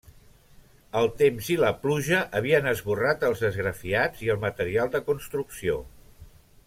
El temps i la pluja havien esborrat els esgrafiats i el material de construcció.